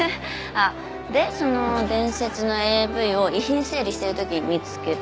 でその伝説のＡＶを遺品整理してる時に見つけたって話？